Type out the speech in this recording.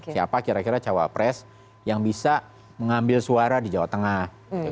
siapa kira kira cawapres yang bisa mengambil suara di jawa tengah